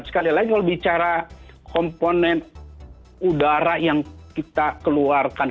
sekali lagi kalau bicara komponen udara yang kita keluarkan